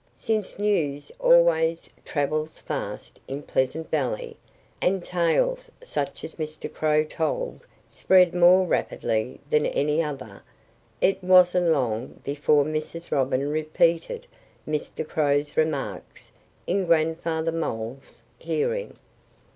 Since news always travels fast in Pleasant Valley and tales such as Mr. Crow told spread more rapidly than any other, it wasn't long before Mrs. Robin repeated Mr. Crow's remarks in Grandfather Mole's hearing.